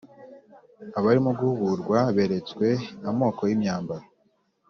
abarimo guhugurwa beretswe amoko y’imyambaro